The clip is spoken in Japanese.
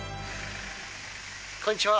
こんにちは。